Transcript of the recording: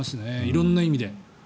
色んな意味で。